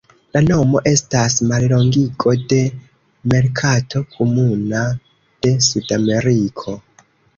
La nomo estas mallongigo de "Merkato Komuna de Sudameriko".